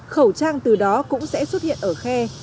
khẩu trang từ đó cũng sẽ xuất hiện ở khe